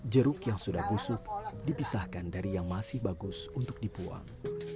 jeruk yang sudah busuk dipisahkan dari yang masih bagus untuk dibuang